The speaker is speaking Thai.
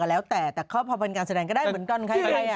ก็แล้วแต่แต่เขาเพราะอันการแสดงก็ได้หนึ่งแต่ค่อย